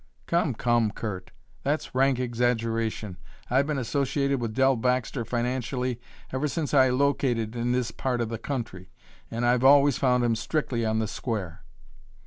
"Come, come, Curt, that's rank exaggeration. I've been associated with Dell Baxter financially ever since I located in this part of the country, and I've always found him strictly on the square."